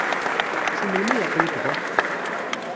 Seg melmi ay aql-ik da?